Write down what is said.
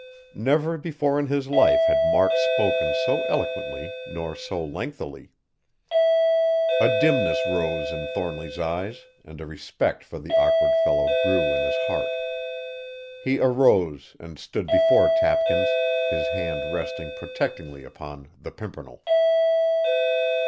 Never before in his life had Mark spoken so eloquently nor so lengthily. A dimness rose in Thornly's eyes, and a respect for the awkward fellow grew in his heart. He arose and stood before Tapkins, his hand resting protectingly upon "The Pimpernel."